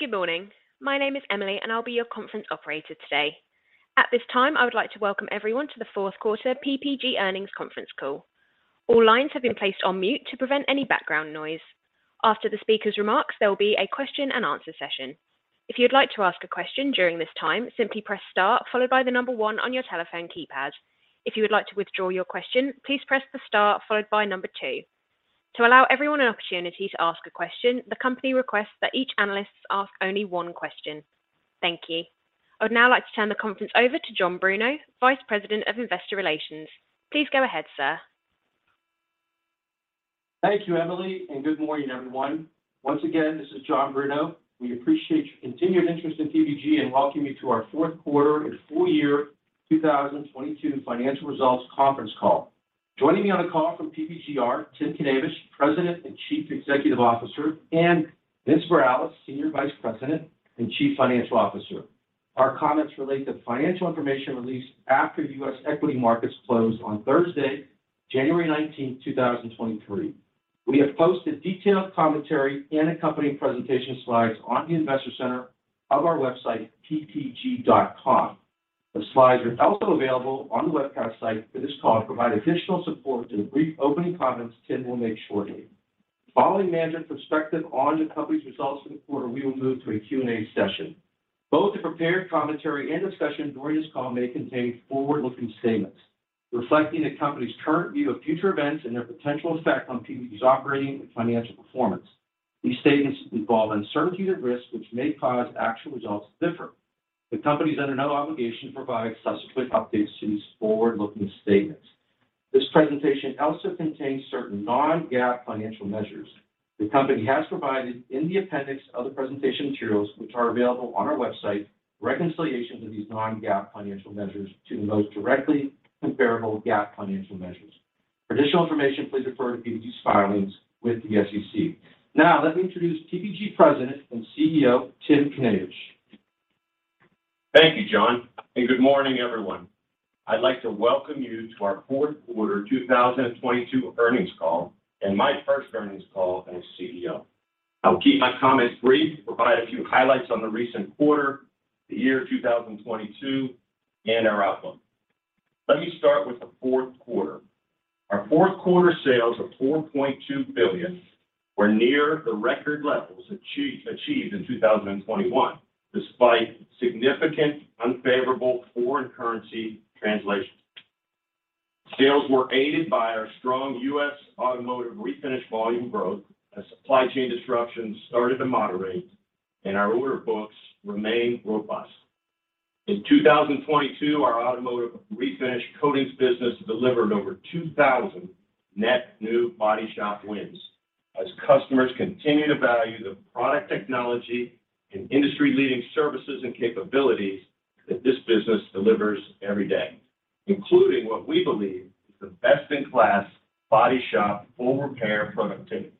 Good morning. My name is Emily, and I'll be your conference operator today. At this time, I would like to welcome everyone to the fourth quarter PPG earnings conference call. All lines have been placed on mute to prevent any background noise. After the speaker's remarks, there will be a question-and-answer session. If you'd like to ask a question during this time, simply press star followed by the number one on your telephone keypad. If you would like to withdraw your question, please press the star followed by number two. To allow everyone an opportunity to ask a question, the company requests that each analyst ask only one question. Thank you. I would now like to turn the conference over to John Bruno, Vice President of Investor Relations. Please go ahead, sir. Thank you, Emily, and good morning, everyone. Once again, this is John Bruno. We appreciate your continued interest in PPG and welcome you to our fourth quarter and full year 2022 financial results conference call. Joining me on the call from PPG are Tim Knavish, President and Chief Executive Officer, and Vince Morales, Senior Vice President and Chief Financial Officer. Our comments relate to financial information released after U.S. equity markets closed on Thursday, January 19th, 2023. We have posted detailed commentary and accompanying presentation slides on the Investor Center of our website, ppg.com. The slides are also available on the webcast site for this call and provide additional support to the brief opening comments Tim will make shortly. Following management perspective on the company's results for the quarter, we will move to a Q&A session. Both the prepared commentary and the session during this call may contain forward-looking statements reflecting the company's current view of future events and their potential effect on PPG's operating and financial performance. These statements involve uncertainties and risks which may cause actual results to differ. The company is under no obligation to provide subsequent updates to these forward-looking statements. This presentation also contains certain non-GAAP financial measures. The company has provided in the appendix of the presentation materials, which are available on our website, reconciliations of these non-GAAP financial measures to the most directly comparable GAAP financial measures. For additional information, please refer to PPG's filings with the SEC. Now let me introduce PPG President and CEO, Tim Knavish. Thank you, John. Good morning, everyone. I'd like to welcome you to our fourth quarter 2022 earnings call and my first earnings call as CEO. I will keep my comments brief to provide a few highlights on the recent quarter, the year 2022, and our outlook. Let me start with the fourth quarter. Our fourth quarter sales of $4.2 billion were near the record levels achieved in 2021, despite significant unfavorable foreign currency translation. Sales were aided by our strong U.S. automotive refinish volume growth as supply chain disruptions started to moderate and our order books remained robust. In 2022, our automotive refinish coatings business delivered over 2,000 net new body shop wins as customers continue to value the product technology and industry-leading services and capabilities that this business delivers every day, including what we believe is the best-in-class body shop full repair productivity.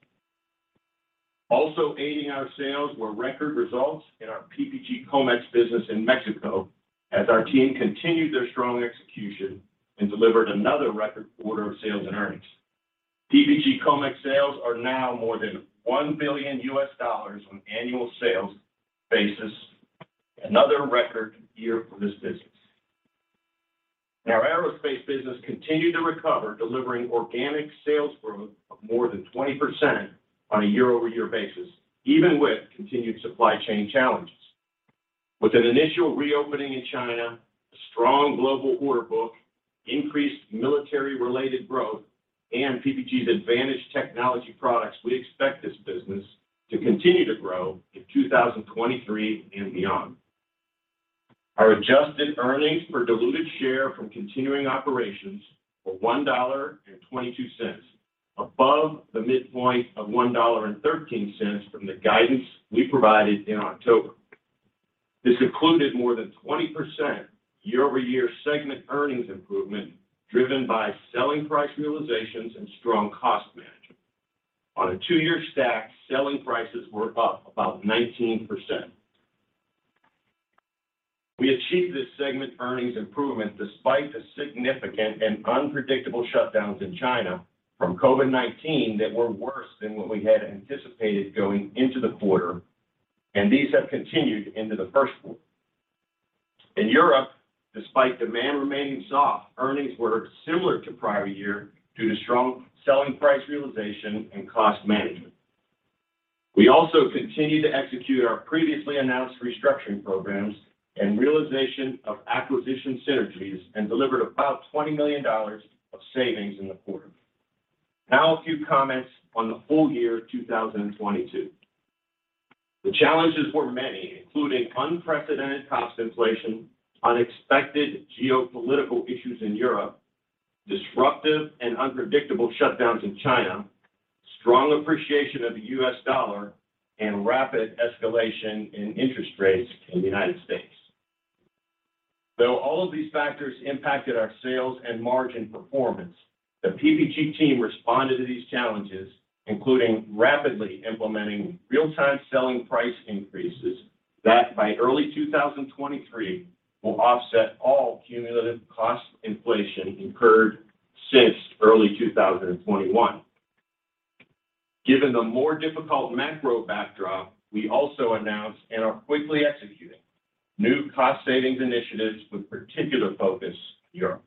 Also aiding our sales were record results in our PPG Comex business in Mexico as our team continued their strong execution and delivered another record quarter of sales and earnings. PPG Comex sales are now more than $1 billion on annual sales basis, another record year for this business. Our aerospace business continued to recover, delivering organic sales growth of more than 20% on a year-over-year basis, even with continued supply chain challenges. With an initial reopening in China, a strong global order book, increased military-related growth, and PPG's advantage technology products, we expect this business to continue to grow in 2023 and beyond. Our adjusted earnings per diluted share from continuing operations were $1.22, above the midpoint of $1.13 from the guidance we provided in October. This included more than 20% year-over-year segment earnings improvement driven by selling price realizations and strong cost management. On a two-year stack, selling prices were up about 19%. We achieved this segment earnings improvement despite the significant and unpredictable shutdowns in China from COVID-19 that were worse than what we had anticipated going into the quarter, and these have continued into the first quarter. In Europe, despite demand remaining soft, earnings were similar to prior year due to strong selling price realization and cost management. We also continued to execute our previously announced restructuring programs and realization of acquisition synergies and delivered about $20 million of savings in the quarter. A few comments on the full year 2022. The challenges were many, including unprecedented cost inflation, unexpected geopolitical issues in Europe, disruptive and unpredictable shutdowns in China, strong appreciation of the US dollar, and rapid escalation in interest rates in the United States. Though all of these factors impacted our sales and margin performance, the PPG team responded to these challenges, including rapidly implementing real-time selling price increases that by early 2023 will offset all cumulative cost inflation incurred since early 2021. Given the more difficult macro backdrop, we also announced and are quickly executing new cost savings initiatives with particular focus Europe.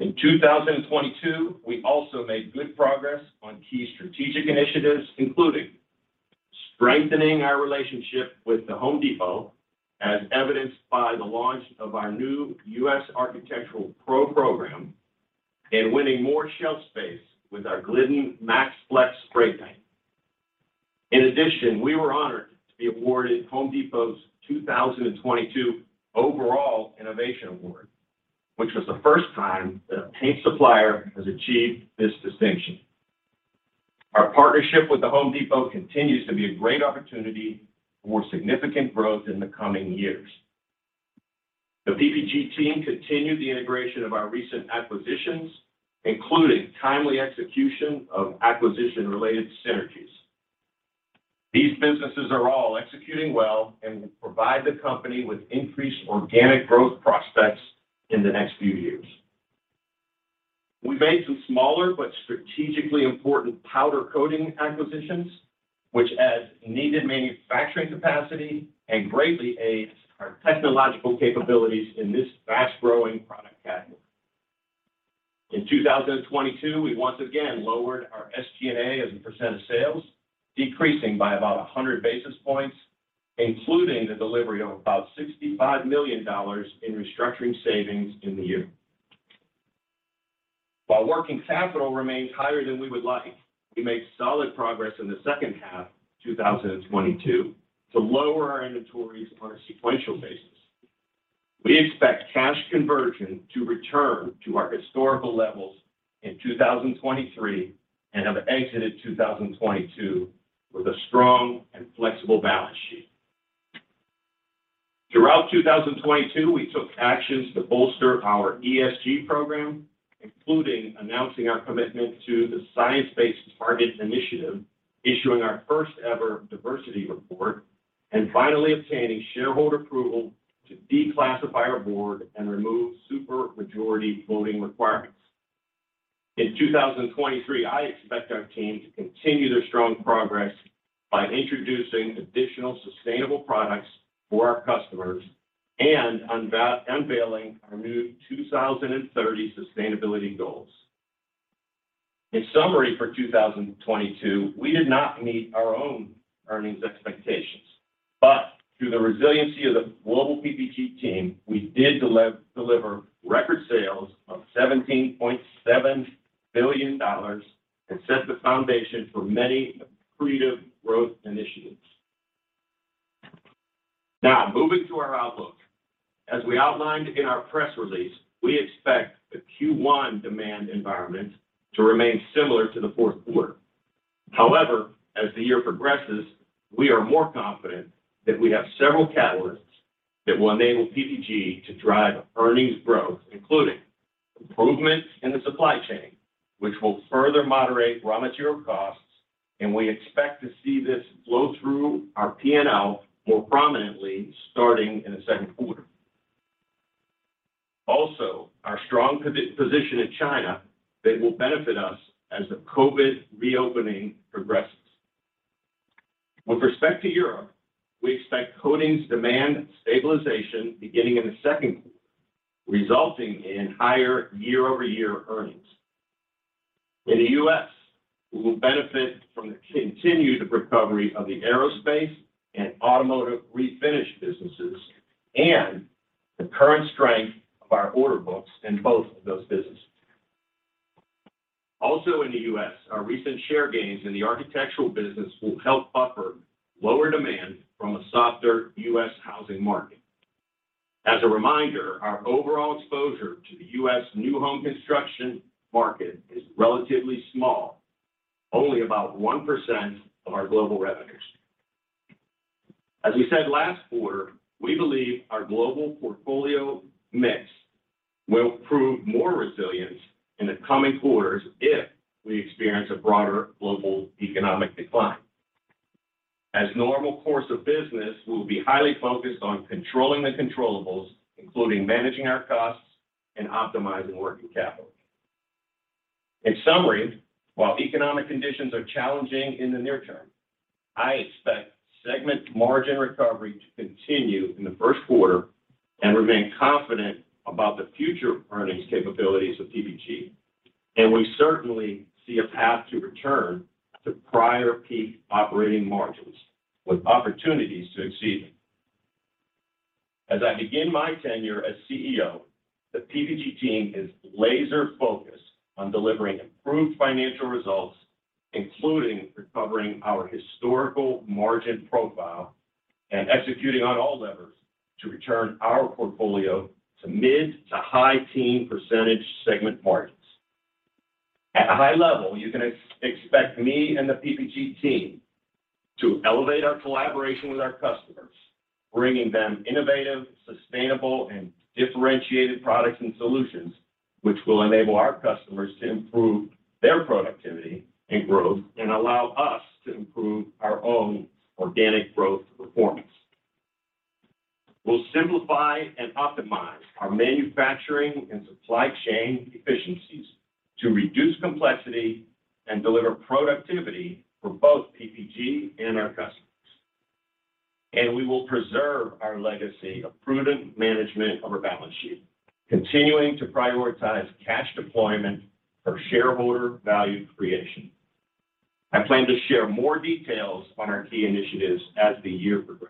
In 2022, we also made good progress on key strategic initiatives, including strengthening our relationship with The Home Depot, as evidenced by the launch of our new U.S. Architectural Pro program and winning more shelf space with our Glidden MAX-Flex spray paint. In addition, we were honored to be awarded The Home Depot's 2022 Overall Innovation Award, which was the first time that a paint supplier has achieved this distinction. Our partnership with The Home Depot continues to be a great opportunity for significant growth in the coming years. The PPG team continued the integration of our recent acquisitions, including timely execution of acquisition-related synergies. These businesses are all executing well and will provide the company with increased organic growth prospects in the next few years. We made some smaller but strategically important powder coating acquisitions, which adds needed manufacturing capacity and greatly aids our technological capabilities in this fast-growing product category. In 2022, we once again lowered our SG&A as a % of sales, decreasing by about 100 basis points, including the delivery of about $65 million in restructuring savings in the year. While working capital remains higher than we would like, we made solid progress in the second half of 2022 to lower our inventories on a sequential basis. We expect cash conversion to return to our historical levels in 2023 and have exited 2022 with a strong and flexible balance sheet. Throughout 2022, we took actions to bolster our ESG program, including announcing our commitment to the Science Based Targets initiative, issuing our first-ever diversity report, and finally obtaining shareholder approval to declassify our board and remove super majority voting requirements. In 2023, I expect our team to continue their strong progress by introducing additional sustainable products for our customers and unveiling our new 2030 sustainability goals. In summary, for 2022, we did not meet our own earnings expectations, but through the resiliency of the global PPG team, we did deliver record sales of $17.7 billion and set the foundation for many accretive growth initiatives. Moving to our outlook. As we outlined in our press release, we expect the Q1 demand environment to remain similar to the fourth quarter. However, as the year progresses, we are more confident that we have several catalysts that will enable PPG to drive earnings growth, including improvements in the supply chain, which will further moderate raw material costs, and we expect to see this flow through our PNL more prominently, starting in the second quarter. Our strong position in China that will benefit us as the COVID reopening progresses. With respect to Europe, we expect coatings demand stabilization beginning in the second quarter, resulting in higher year-over-year earnings. In the U.S., we will benefit from the continued recovery of the aerospace and automotive refinish businesses and the current strength of our order books in both of those businesses. In the U.S., our recent share gains in the architectural business will help buffer lower demand from a softer U.S. housing market. As a reminder, our overall exposure to the U.S. new home construction market is relatively small, only about 1% of our global revenues. As we said last quarter, we believe our global portfolio mix will prove more resilience in the coming quarters if we experience a broader global economic decline. As normal course of business, we'll be highly focused on controlling the controllables, including managing our costs and optimizing working capital. In summary, while economic conditions are challenging in the near term, I expect segment margin recovery to continue in the first quarter and remain confident about the future earnings capabilities of PPG. We certainly see a path to return to prior peak operating margins with opportunities to exceed them. As I begin my tenure as CEO, the PPG team is laser-focused on delivering improved financial results, including recovering our historical margin profile and executing on all levers to return our portfolio to mid to high teen percentage segment margins. At a high level, you can expect me and the PPG team to elevate our collaboration with our customers, bringing them innovative, sustainable, and differentiated products and solutions, which will enable our customers to improve their productivity and growth and allow us to improve our own organic growth performance. We'll simplify and optimize our manufacturing and supply chain efficiencies to reduce complexity and deliver productivity for both PPG and our customers. We will preserve our legacy of prudent management of our balance sheet, continuing to prioritize cash deployment for shareholder value creation. I plan to share more details on our key initiatives as the year progresses.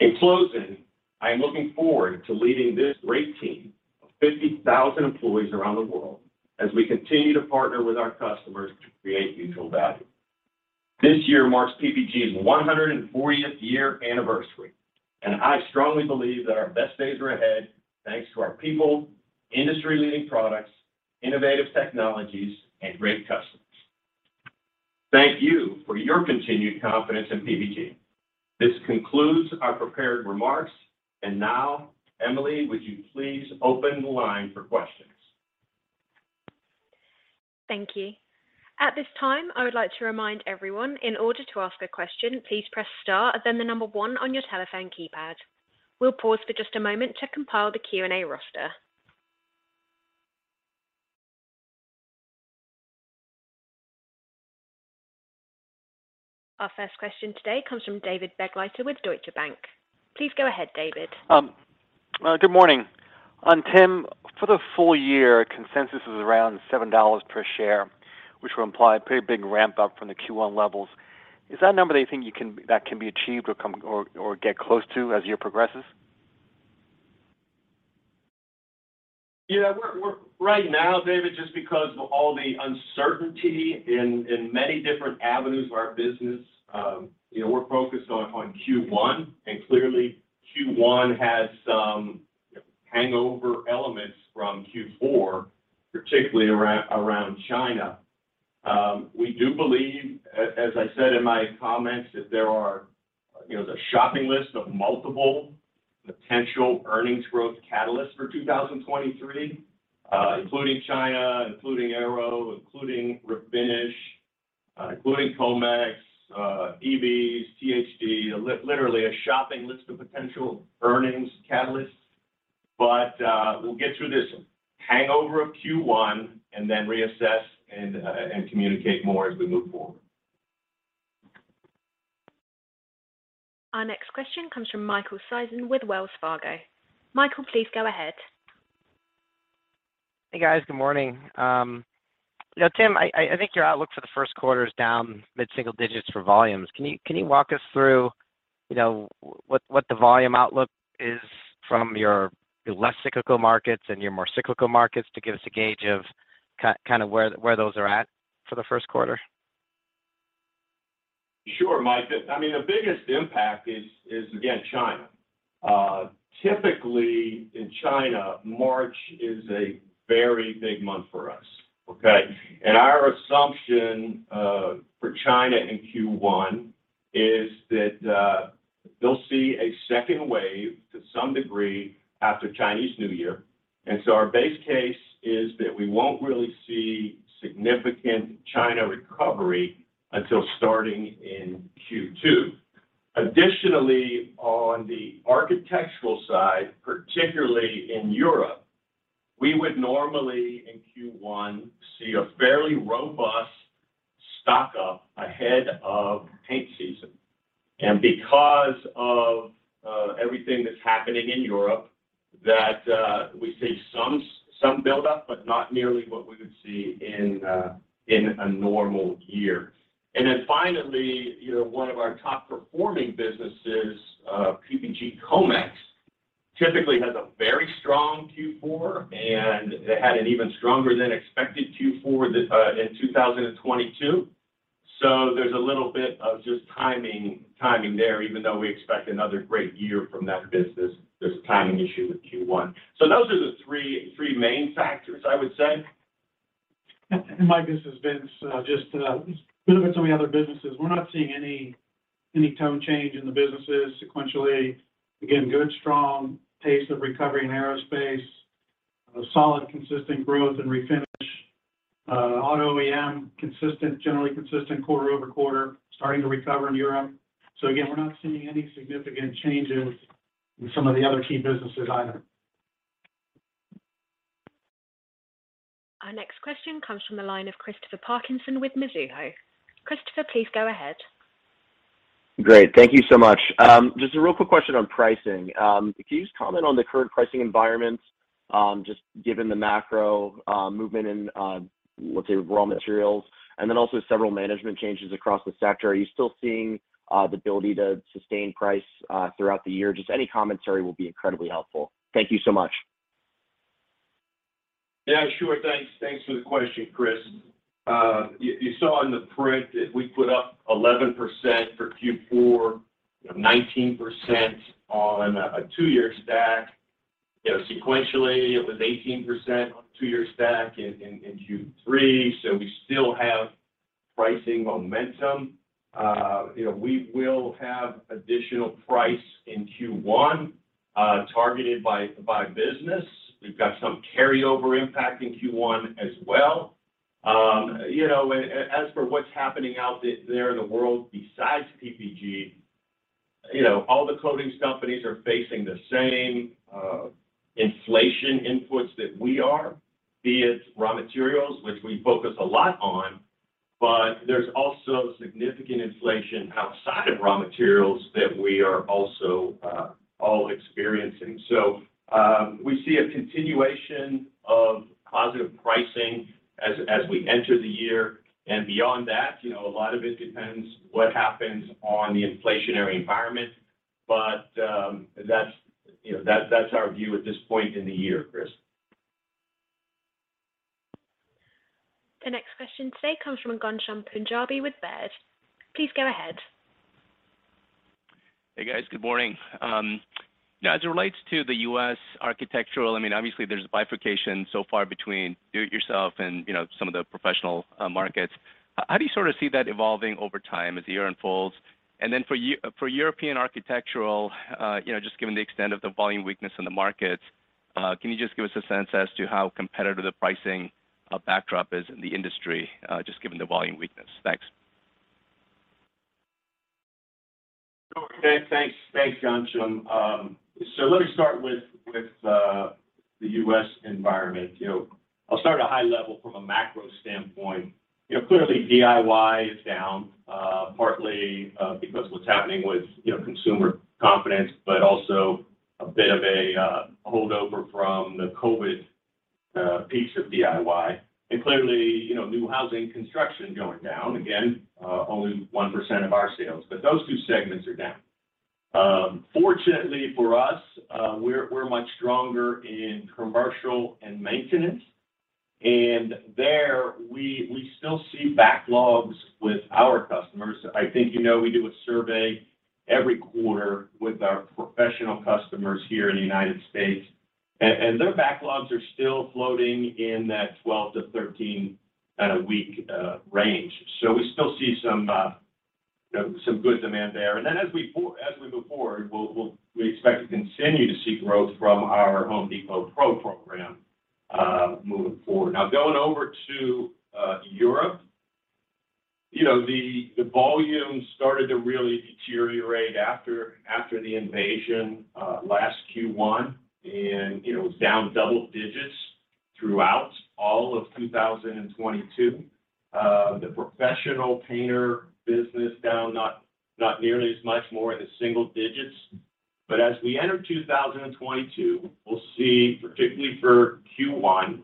In closing, I am looking forward to leading this great team of 50,000 employees around the world as we continue to partner with our customers to create mutual value. This year marks PPG's 140th year anniversary, I strongly believe that our best days are ahead, thanks to our people, industry-leading products, innovative technologies, and great customers. Thank you for your continued confidence in PPG. This concludes our prepared remarks. Now, Emily, would you please open the line for questions? Thank you. At this time, I would like to remind everyone in order to ask a question, please press star and then the number one on your telephone keypad. We'll pause for just a moment to compile the Q&A roster. Our first question today comes from David Begleiter with Deutsche Bank. Please go ahead, David. Good morning. Tim, for the full year, consensus is around $7 per share, which will imply a pretty big ramp up from the Q1 levels. Is that a number that you think that can be achieved or get close to as the year progresses? Yeah, Right now, David, just because of all the uncertainty in many different avenues of our business, you know, we're focused on Q1, and clearly Q1 has some hangover elements from Q4, particularly around China. We do believe, as I said in my comments, that there are, you know, the shopping list of multiple potential earnings growth catalysts for 2023, including China, including Aero, including Refinish, including Comex, EVs, THD, literally a shopping list of potential earnings catalysts. We'll get through this hangover of Q1 and then reassess and communicate more as we move forward. Our next question comes from Michael Sison with Wells Fargo. Michael, please go ahead. Hey, guys. Good morning. Now, Tim, I think your outlook for the first quarter is down mid-single digits for volumes. Can you walk us through, you know, what the volume outlook is from your less cyclical markets and your more cyclical markets to give us a gauge of kind of where those are at, for the first quarter? Sure, Mike. I mean, the biggest impact is again, China. Typically in China, March is a very big month for us. Okay? Our assumption for China in Q1 is that they'll see a second wave to some degree after Chinese New Year. Our base case is that we won't really see significant China recovery until starting in Q2. Additionally, on the architectural side, particularly in Europe, we would normally in Q1, see a fairly robust stock-up ahead of paint season. Because of everything that's happening in Europe, that we see some buildup, but not nearly what we would see in a normal year. Finally, you know, one of our top-performing businesses, PPG Comex, typically has a very strong Q4, and it had an even stronger than expected Q4 this in 2022. There's a little bit of just timing there, even though we expect another great year from that business, there's a timing issue with Q1. Those are the three main factors, I would say. Mike, this is Vince. Just a little bit some of the other businesses. We're not seeing any tone change in the businesses sequentially. Again, good, strong pace of recovery in aerospace, a solid, consistent growth in Refinish. Auto OEM, consistent, generally consistent quarter-over-quarter, starting to recover in Europe. Again, we're not seeing any significant changes in some of the other key businesses either. Our next question comes from the line of Christopher Parkinson with Mizuho. Christopher, please go ahead. Great. Thank you so much. Just a real quick question on pricing. Can you just comment on the current pricing environment, just given the macro movement in, let's say, raw materials, and then also several management changes across the sector? Are you still seeing the ability to sustain price throughout the year? Just any commentary will be incredibly helpful. Thank you so much. Yeah, sure. Thanks for the question, Chris. You saw in the print that we put up 11% for Q4, 19% on a two-year stack. You know, sequentially, it was 18% on two-year stack in Q3. We still have pricing momentum. You know, we will have additional price in Q1, targeted by business. We've got some carryover impact in Q1 as well. You know, as for what's happening out there in the world besides PPG, you know, all the coatings companies are facing the same inflation inputs that we are, be it raw materials, which we focus a lot on, but there's also significant inflation outside of raw materials that we are also all experiencing. We see a continuation of positive pricing as we enter the year. Beyond that, you know, a lot of it depends what happens on the inflationary environment. That's, you know, that's our view at this point in the year, Chris. The next question today comes from Ghansham Panjabi with Baird. Please go ahead. Hey, guys. Good morning. Now, as it relates to the U.S. architectural, I mean, obviously there's a bifurcation so far between do-it-yourself and, you know, some of the professional markets. How do you sort of see that evolving over time as the year unfolds? For European architectural, you know, just given the extent of the volume weakness in the markets, can you just give us a sense as to how competitive the pricing backdrop is in the industry, just given the volume weakness? Thanks. Okay. Thanks. Thanks, Ghansham. Let me start with the U.S. environment. You know, I'll start at a high level from a macro standpoint. You know, clearly DIY is down, partly because of what's happening with, you know, consumer confidence, but also a bit of a holdover from the COVID piece of DIY. Clearly, you know, new housing construction going down, again, only 1% of our sales, but those two segments are down. Fortunately for us, we're much stronger in commercial and maintenance. There, we still see backlogs with our customers. I think you know we do a survey every quarter with our professional customers here in the United States, and their backlogs are still floating in that 12 to 13 at a week range. We still see some, you know, some good demand there. As we move forward, we expect to continue to see growth from our Home Depot Pro program, moving forward. Going over to Europe, you know, the volume started to really deteriorate after the invasion last Q1, and, you know, was down double digits throughout all of 2022. The professional painter business down not nearly as much, more in the single digits. As we enter 2022, we'll see, particularly for Q1...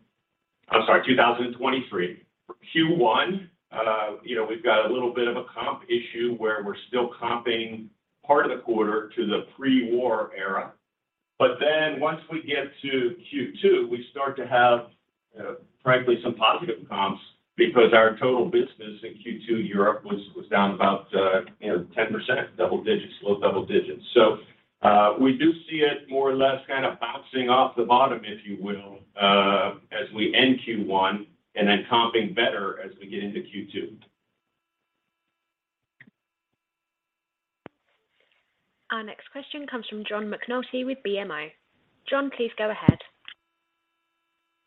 I'm sorry, 2023. For Q1, you know, we've got a little bit of a comp issue where we're still comping part of the quarter to the pre-war era. Once we get to Q2, we start to have, frankly some positive comps because our total business in Q2 Europe was down about, you know, 10%, double digits, low double digits. We do see it more or less kind of bouncing off the bottom, if you will, as we end Q1, and then comping better as we get into Q2. Our next question comes from John McNulty with BMO. John, please go ahead.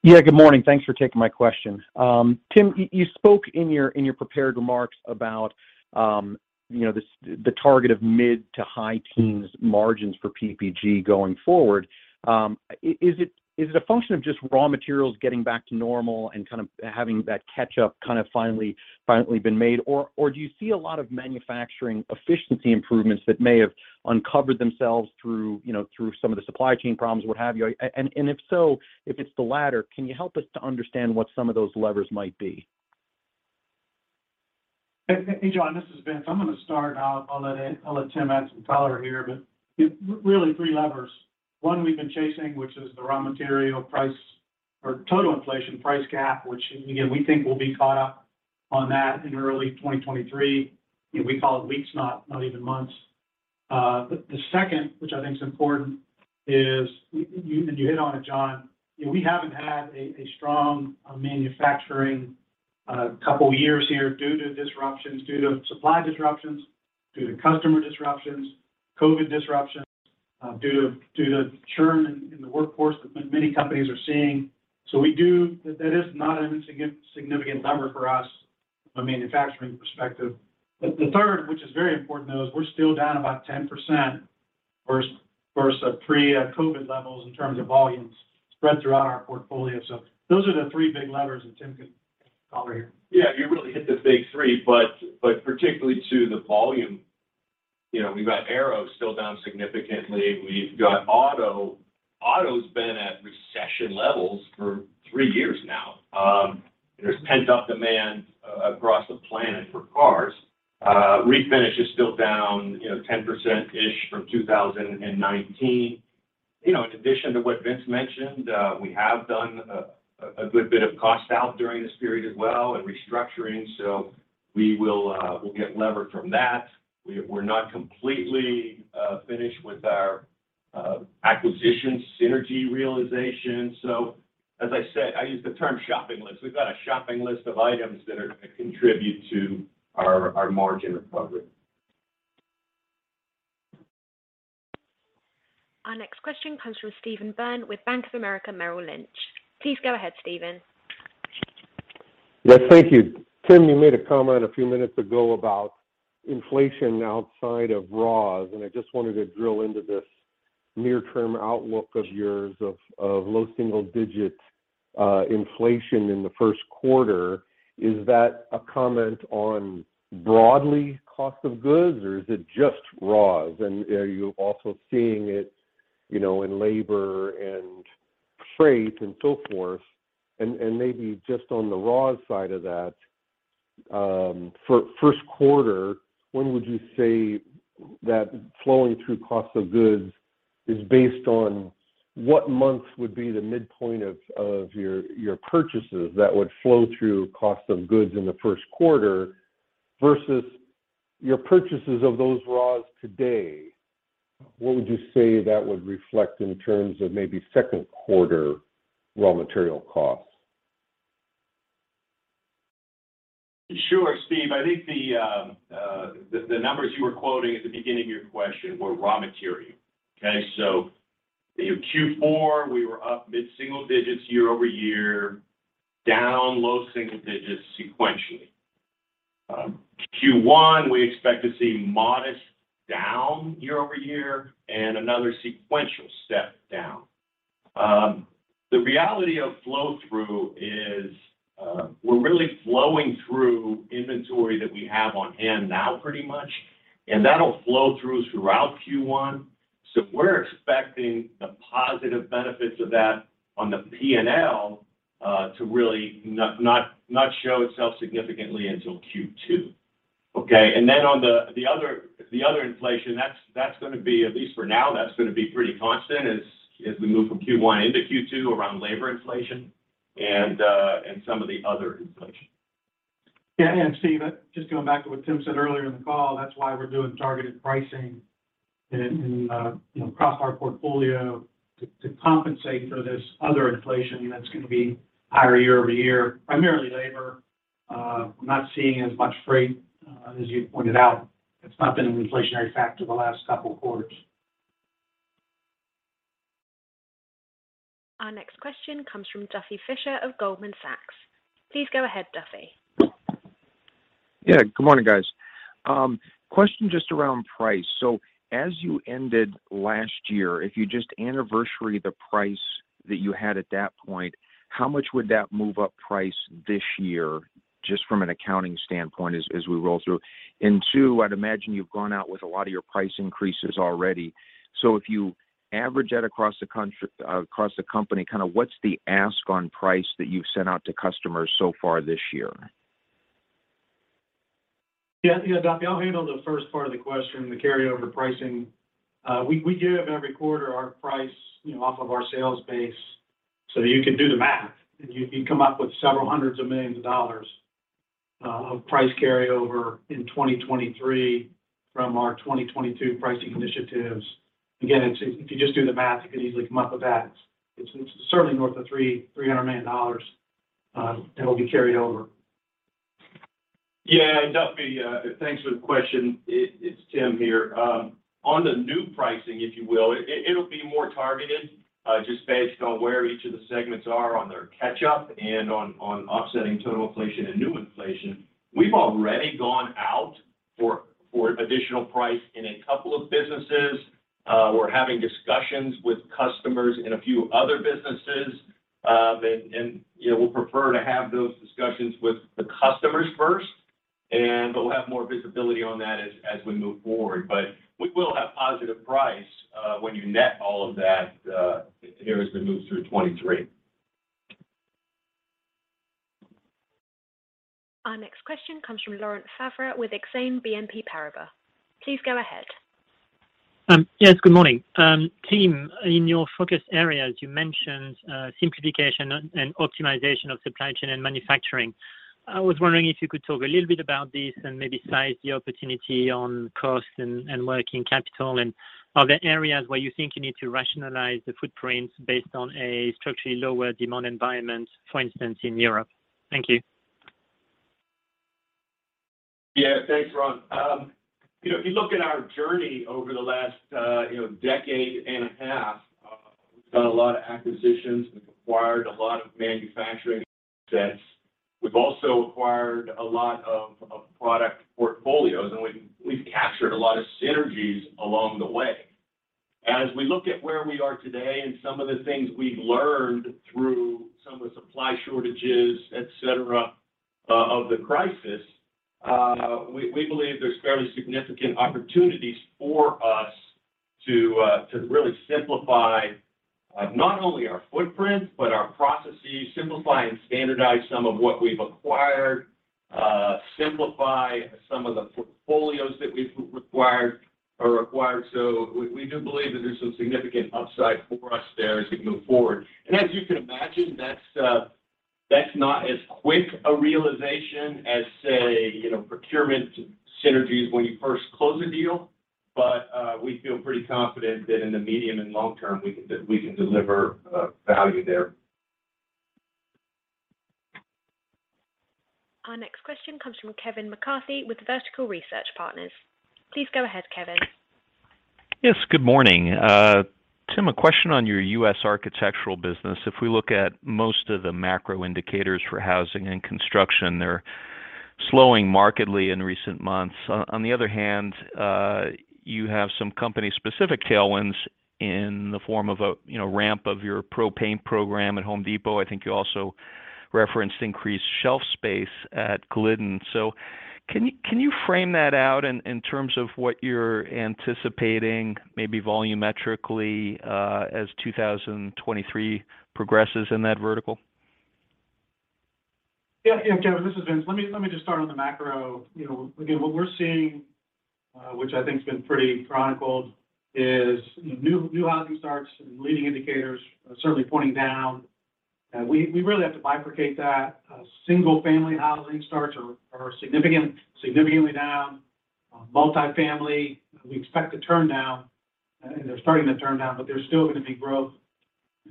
Yeah, good morning. Thanks for taking my question. Tim, you spoke in your, in your prepared remarks about, you know, the target of mid to high teens margins for PPG going forward. Is it, is it a function of just raw materials getting back to normal and kind of having that catch-up kind of finally been made, or do you see a lot of manufacturing efficiency improvements that may have uncovered themselves through, you know, through some of the supply chain problems, what have you? If so, if it's the latter, can you help us to understand what some of those levers might be? Hey, John, this is Vince. I'm gonna start. I'll let Tim add some color here. Really three levers. One we've been chasing, which is the raw material price or total inflation price gap, which again, we think we'll be caught up on that in early 2023. You know, we call it weeks, not even months. The second, which I think is important is, you, and you hit on it, John, you know, we haven't had a strong manufacturing couple years here due to disruptions, due to supply disruptions, due to customer disruptions, COVID disruptions, due to churn in the workforce that many companies are seeing. That is not an insignificant number for us from a manufacturing perspective. The third, which is very important though, is we're still down about 10% versus pre-COVID levels in terms of volumes spread throughout our portfolio. Those are the three big levers, Tim can color here. Yeah, you really hit the big three, but particularly to the volume, you know, we've got Aero still down significantly. We've got auto. Auto's been at recession levels for 3 years now. There's pent-up demand across the planet for cars. Refinish is still down, you know, 10%-ish from 2019. You know, in addition to what Vince mentioned, we have done a good bit of cost out during this period as well and restructuring, we will get lever from that. We're not completely finished with our acquisition synergy realization. As I said, I use the term shopping list. We've got a shopping list of items that are gonna contribute to our margin recovery. Next question comes from Steve Byrne with Bank of America Merrill Lynch. Please go ahead, Steven. Yes, thank you. Tim, you made a comment a few minutes ago about inflation outside of raws. I just wanted to drill into this near term outlook of yours of low single digits inflation in the first quarter. Is that a comment on broadly cost of goods, or is it just raws? Are you also seeing it, you know, in labor and freight and so forth? Maybe just on the raw side of that, for first quarter, when would you say that flowing through cost of goods is based on what months would be the midpoint of your purchases that would flow through cost of goods in the first quarter versus your purchases of those raws today, what would you say that would reflect in terms of maybe second quarter raw material costs? Sure, Steve. I think the numbers you were quoting at the beginning of your question were raw material. Okay. I think in Q4 we were up mid-single digits year-over-year, down low single digits sequentially. Q1 we expect to see modest down year-over-year and another sequential step down. The reality of flow-through is we're really flowing through inventory that we have on hand now pretty much, and that'll flow through throughout Q1. We're expecting the positive benefits of that on the P&L to really not show itself significantly until Q2. Okay. Then on the other inflation, that's gonna be, at least for now, that's gonna be pretty constant as we move from Q1 into Q2 around labor inflation and some of the other inflation. Yeah. Steve, just going back to what Tim said earlier in the call, that's why we're doing targeted pricing in, you know, across our portfolio to compensate for this other inflation that's gonna be higher year-over-year, primarily labor. We're not seeing as much freight, as you pointed out. It's not been an inflationary factor the last couple of quarters. Our next question comes from Duffy Fischer of Goldman Sachs. Please go ahead, Duffy. Yeah. Good morning, guys. question just around price. As you ended last year, if you just anniversary the price that you had at that point, how much would that move up price this year just from an accounting standpoint as we roll through? Two, I'd imagine you've gone out with a lot of your price increases already. If you average that across the company, kind of what's the ask on price that you've sent out to customers so far this year? Yeah. Yeah, Duffy. I'll handle the first part of the question, the carryover pricing. We give every quarter our price, you know, off of our sales base, so you can do the math. You come up with several hundreds of millions of dollars of price carryover in 2023 from our 2022 pricing initiatives. Again, if you just do the math, you could easily come up with that. It's certainly north of $300 million that will be carried over. Yeah. Duffy, thanks for the question. It, it's Tim here. On the new pricing, if you will, it'll be more targeted, just based on where each of the segments are on their catch-up and on offsetting total inflation and new inflation. We've already gone out for additional price in a couple of businesses. We're having discussions with customers in a few other businesses. You know, we'll prefer to have those discussions with the customers first, but we'll have more visibility on that as we move forward. We will have positive price, when you net all of that, as the year has been moved through 2023. Our next question comes from Laurent Favre with Exane BNP Paribas. Please go ahead. Yes. Good morning. Team, in your focus areas, you mentioned simplification and optimization of supply chain and manufacturing. I was wondering if you could talk a little bit about this and maybe size the opportunity on cost and working capital. Are there areas where you think you need to rationalize the footprints based on a structurally lower demand environment, for instance, in Europe? Thank you. Thanks, Laurent. If you look at our journey over the last decade and a half, we've done a lot of acquisitions. We've acquired a lot of manufacturing assets. We've also acquired a lot of product portfolios, and we've captured a lot of synergies along the way. As we look at where we are today and some of the things we've learned through some of the supply shortages, et cetera, of the crisis, we believe there's fairly significant opportunities for us to really simplify not only our footprint, but our processes. Simplify and standardize some of what we've acquired, simplify some of the portfolios that we've required or acquired. We do believe that there's some significant upside for us there as we move forward. As you can imagine, that's not as quick a realization as say, you know, procurement synergies when you first close a deal. We feel pretty confident that in the medium and long term we can deliver value there. From Kevin McCarthy with Vertical Research Partners. Please go ahead, Kevin. Good morning. Tim, a question on your U.S. architectural business. If we look at most of the macro indicators for housing and construction, they're slowing markedly in recent months. On the other hand, you have some company specific tailwinds in the form of a, you know, ramp of your Pro paint program at Home Depot. I think you also referenced increased shelf space at Glidden. Can you frame that out in terms of what you're anticipating, maybe volumetrically, as 2023 progresses in that vertical? Yeah. Kevin, this is Vince. Let me just start on the macro. You know, again, what we're seeing, which I think has been pretty chronicled, is new housing starts and leading indicators certainly pointing down. We really have to bifurcate that. Single family housing starts are significantly down. Multifamily, we expect to turn down, and they're starting to turn down, but there's still gonna be growth.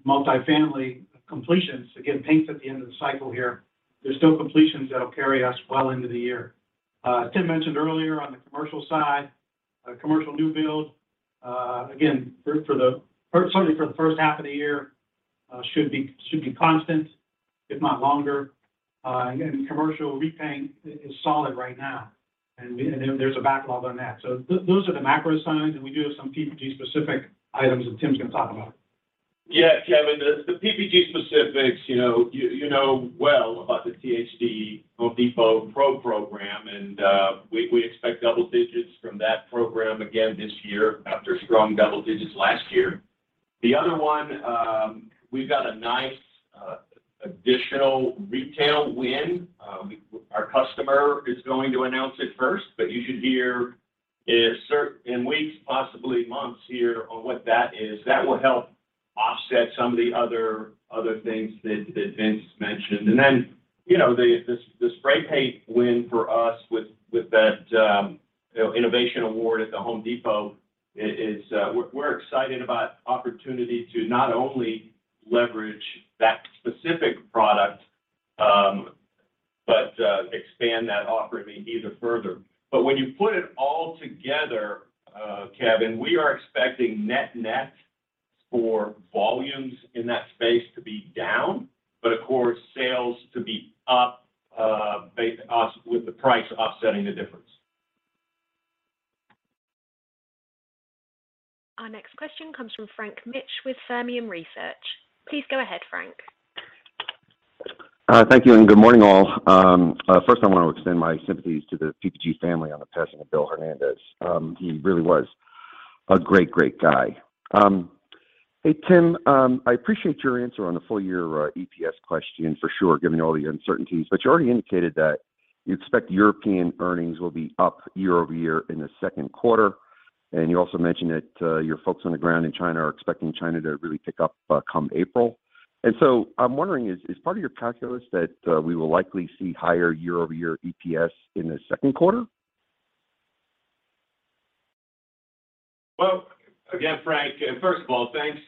Multifamily completions, again, paints at the end of the cycle here. There's still completions that'll carry us well into the year. Tim mentioned earlier on the commercial side, commercial new build, again, certainly for the first half of the year, should be constant, if not longer. Again, commercial repaint is solid right now, and there's a backlog on that. Those are the macro signs, and we do have some PPG specific items that Tim's gonna talk about. Yeah, Kevin, the PPG specifics, you know, you know well about the THD The Home Depot Pro program. We expect double digits from that program again this year after strong double digits last year. The other one, we've got a nice additional retail win. Our customer is going to announce it first, but you should hear in weeks, possibly months here, on what that is. That will help offset some of the other things that Vince mentioned. Then, you know, the spray paint win for us with that, you know, innovation award at The Home Depot. We're excited about opportunity to not only leverage that specific product, but expand that offering even further. When you put it all together, Kevin, we are expecting net net for volumes in that space to be down, but of course, sales to be up, with the price offsetting the difference. Our next question comes from Frank Mitsch with Fermium Research. Please go ahead, Frank. Thank you, good morning, all. First I want to extend my sympathies to the PPG family on the passing of William Hernandez. He really was a great guy. Hey, Tim, I appreciate your answer on the full year, EPS question for sure, given all the uncertainties, but you already indicated that you expect European earnings will be up year-over-year in the second quarter, and you also mentioned that, your folks on the ground in China are expecting China to really pick up, come April. I'm wondering is part of your calculus that, we will likely see higher year-over-year EPS in the second quarter? Again, Frank, first of all, thanks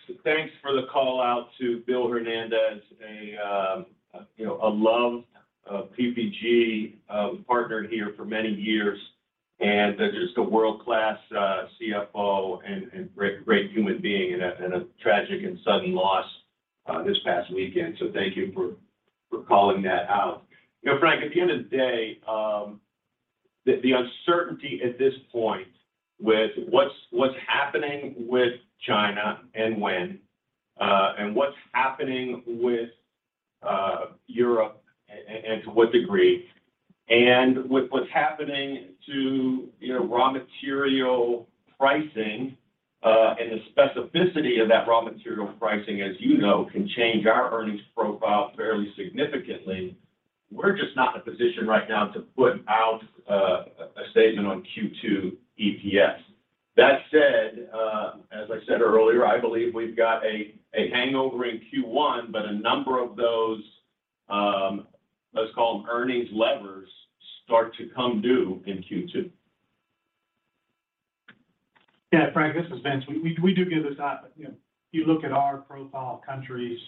for the call out to William Hernandez, a, you know, a loved PPG partner here for many years and just a world-class CFO and great human being and a tragic and sudden loss this past weekend. Thank you for calling that out. You know, Frank, at the end of the day, the uncertainty at this point with what's happening with China and when, and what's happening with Europe and to what degree, and with what's happening to, you know, raw material pricing, and the specificity of that raw material pricing, as you know, can change our earnings profile fairly significantly. We're just not in a position right now to put out a statement on Q2 EPS. As I said earlier, I believe we've got a hangover in Q1, but a number of those, let's call them earnings levers, start to come due in Q2. Yeah. Frank, this is Vince. We do give this out, but, you know, if you look at our profile of countries,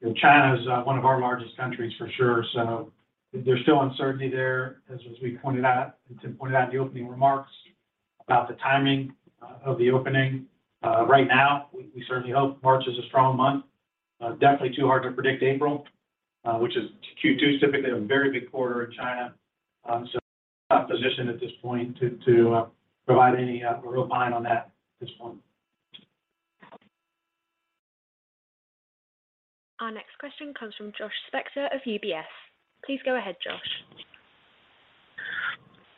you know, China is one of our largest countries for sure. There's still uncertainty there, as we pointed out and Tim pointed out in the opening remarks about the timing of the opening. Right now, we certainly hope March is a strong month. Definitely too hard to predict April, which is Q2, typically a very big quarter in China. Not in a position at this point to provide any real pine on that at this point. Our next question comes from Joshua Spector of UBS. Please go ahead, Josh.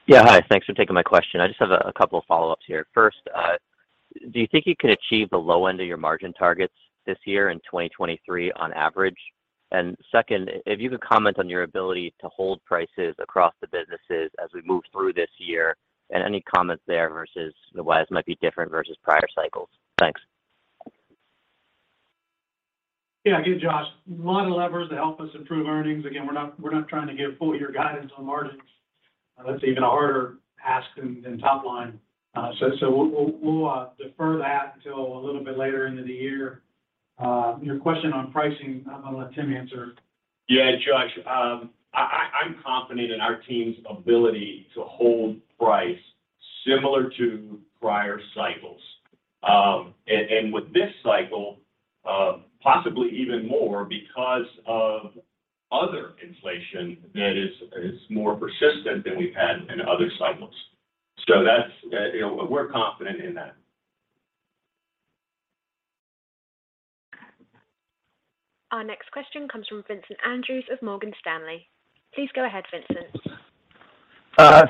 Yeah. Hi. Thanks for taking my question. I just have a couple of follow-ups here. First, do you think you can achieve the low end of your margin targets this year in 2023 on average? Second, if you could comment on your ability to hold prices across the businesses as we move through this year and any comments there versus the ways might be different versus prior cycles. Thanks. Yeah. Again, Josh, a lot of levers to help us improve earnings. Again, we're not trying to give full year guidance on margins. That's even a harder ask than top line. So we'll defer that until a little bit later into the year. Your question on pricing, I'm gonna let Tim answer. Yeah, Josh, I'm confident in our team's ability to hold price similar to prior cycles. And with this cycle, possibly even more because of other inflation that is more persistent than we've had in other cycles. You know, we're confident in that. Our next question comes from Vincent Andrews of Morgan Stanley. Please go ahead, Vincent.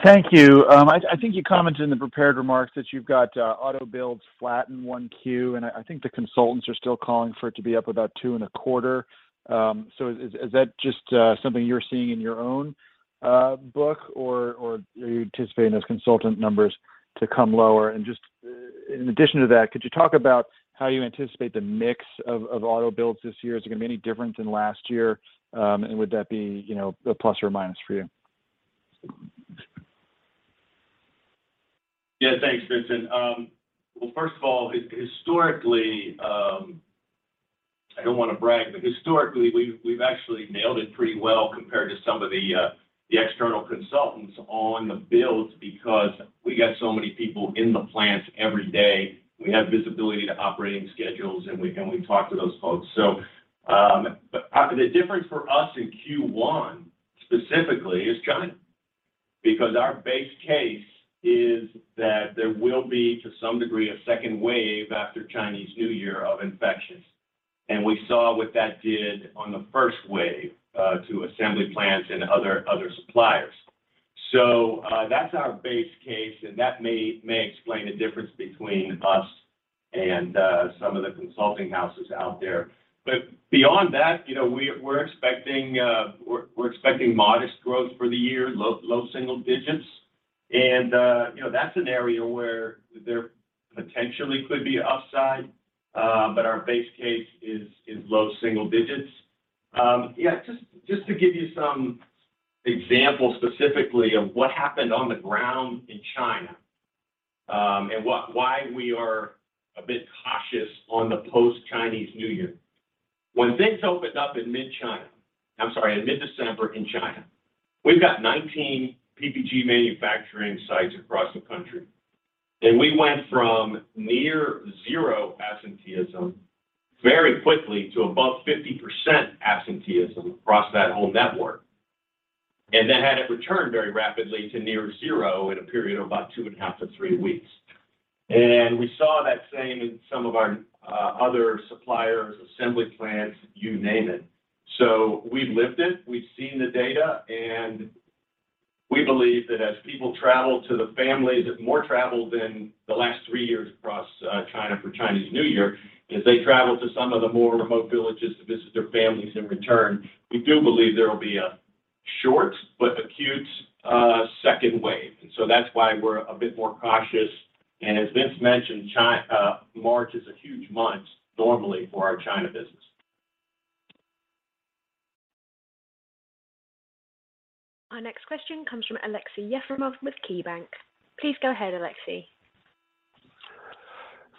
Thank you. I think you commented in the prepared remarks that you've got auto builds flat in 1Q, and I think the consultants are still calling for it to be up about 2.25%. Is that just something you're seeing in your own book or are you anticipating those consultant numbers to come lower? Just in addition to that, could you talk about how you anticipate the mix of auto builds this year? Is it gonna be any different than last year, and would that be, you know, a plus or a minus for you? Thanks, Vincent. Well, first of all, historically, I don't wanna brag, but historically, we've actually nailed it pretty well compared to some of the external consultants on the builds because we got so many people in the plants every day. We have visibility to operating schedules, and we talk to those folks. But the difference for us in Q1 specifically is China because our base case is that there will be, to some degree, a second wave after Chinese New Year of infections. We saw what that did on the first wave to assembly plants and other suppliers. That's our base case, and that may explain the difference between us and some of the consulting houses out there. Beyond that, you know, we're expecting modest growth for the year, low single digits. You know, that's an area where there potentially could be upside, but our base case is low single digits. Yeah, just to give you some examples specifically of what happened on the ground in China, and why we are a bit cautious on the post-Chinese New Year. When things opened up in mid-December in China, we've got 19 PPG manufacturing sites across the country. We went from near zero absenteeism very quickly to above 50% absenteeism across that whole network. Then had it returned very rapidly to near zero in a period of about two and a half to three weeks. We saw that same in some of our other suppliers, assembly plants, you name it. We've lived it, we've seen the data, and we believe that as people travel to the families, more travel than the last three years across China for Chinese New Year. As they travel to some of the more remote villages to visit their families and return, we do believe there will be a short but acute second wave. That's why we're a bit more cautious. As Vince mentioned, March is a huge month normally for our China business. Our next question comes from Aleksey Yefremov with KeyBanc. Please go ahead, Aleksey.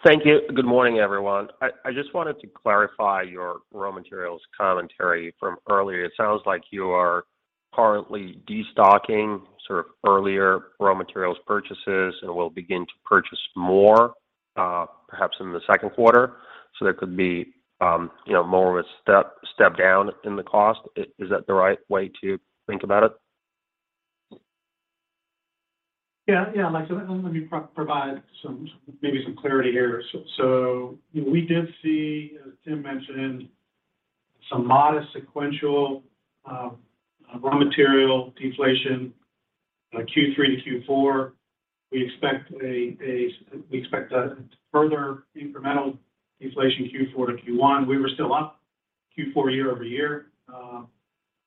Thank you. Good morning, everyone. I just wanted to clarify your raw materials commentary from earlier. It sounds like you are currently destocking sort of earlier raw materials purchases and will begin to purchase more, perhaps in the second quarter. There could be, you know, more of a step down in the cost. Is that the right way to think about it? Yeah. Yeah, Alexei. Let me provide some clarity here. We did see, as Tim mentioned, some modest sequential raw material deflation Q3 to Q4. We expect a further incremental deflation Q4 to Q1. We were still up Q4 year-over-year,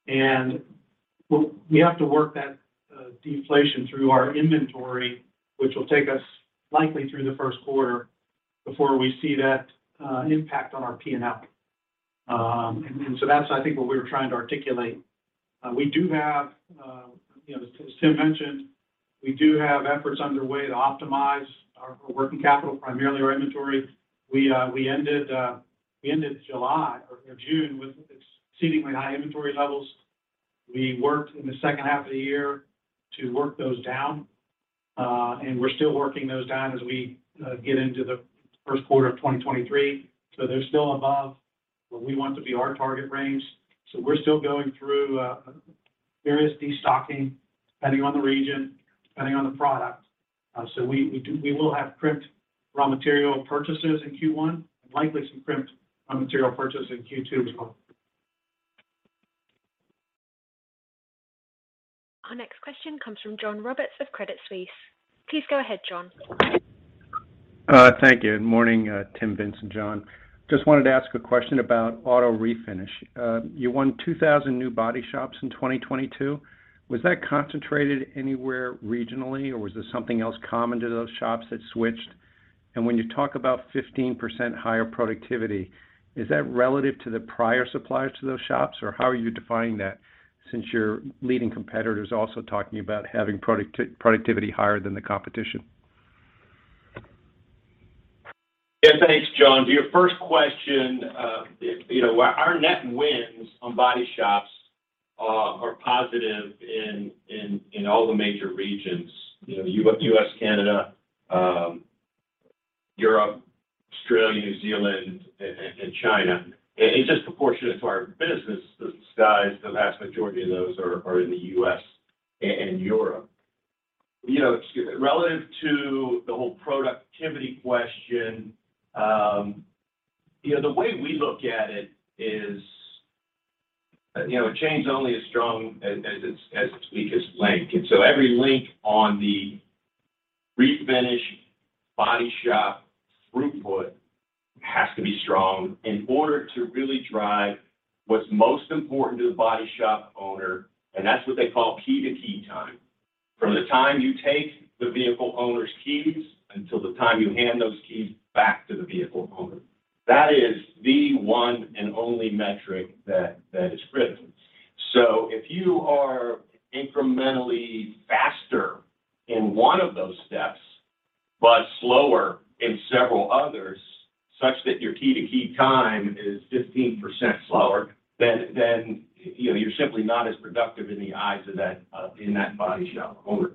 and we have to work that deflation through our inventory, which will take us likely through the first quarter before we see that impact on our P&L. That's I think what we were trying to articulate. We do have, you know, as Tim mentioned, we do have efforts underway to optimize our working capital, primarily our inventory. We ended July or June with exceedingly high inventory levels. We worked in the second half of the year to work those down. We're still working those down as we get into the first quarter of 2023. They're still above what we want to be our target range. We're still going through various destocking depending on the region, depending on the product. We will have crimped raw material purchases in Q1, and likely some crimped raw material purchase in Q2 as well. Our next question comes from John Roberts of Credit Suisse. Please go ahead, John. Thank you. Good morning, Tim, Vince, and John. Just wanted to ask a question about auto refinish. You won 2,000 new body shops in 2022. Was that concentrated anywhere regionally or was there something else common to those shops that switched? When you talk about 15% higher productivity, is that relative to the prior suppliers to those shops, or how are you defining that since your leading competitor is also talking about having productivity higher than the competition? Yeah. Thanks, John. To your first question, you know, our net wins on body shops are positive in all the major regions. You know, U.S., Canada, Europe, Australia, New Zealand, and China. Disproportionate to our business, the size, the vast majority of those are in the U.S. and Europe. You know, relative to the whole productivity question, you know, the way we look at it is, you know, a chain's only as strong as its weakest link. Every link on the refinish body shop throughput has to be strong in order to really drive what's most important to the body shop owner, and that's what they call key-to-key time. From the time you take the vehicle owner's keys until the time you hand those keys back to the vehicle owner. That is the one and only metric that is critical. If you are incrementally faster in one of those steps, but slower in several others, such that your key-to-key time is 15% slower, then, you know, you're simply not as productive in the eyes of that in that body shop owner.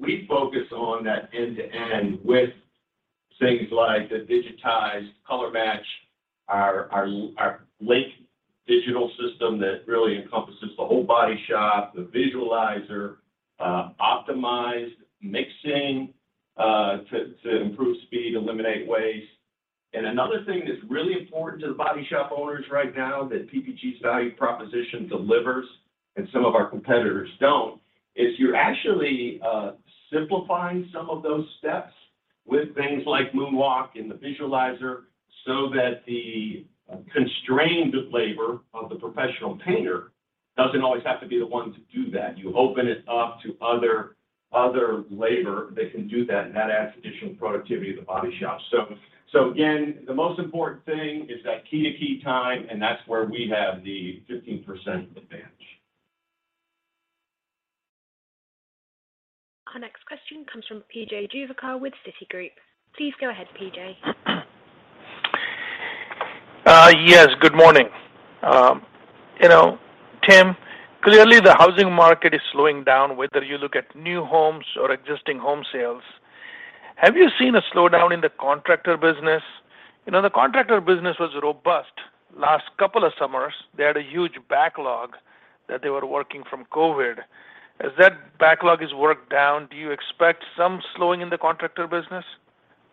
We focus on that end-to-end with things like the digitized color match, our LINQ digital system that really encompasses the whole body shop, the visualizer, optimized mixing, to improve speed, eliminate waste. Another thing that's really important to the body shop owners right now that PPG's value proposition delivers, and some of our competitors don't, is you're actually simplifying some of those steps with things like Moonwalk and the visualizer, so that the constrained labor of the professional painter doesn't always have to be the one to do that. You open it up to other labor that can do that, and that adds additional productivity to the body shop. Again, the most important thing is that key-to-key time, and that's where we have the 15% advantage. Our next question comes from P.J. Juvekar with Citigroup. Please go ahead, P.J. Yes, good morning. You know, Tim, clearly the housing market is slowing down, whether you look at new homes or existing home sales. Have you seen a slowdown in the contractor business? You know, the contractor business was robust last couple of summers. They had a huge backlog that they were working from COVID. As that backlog is worked down, do you expect some slowing in the contractor business?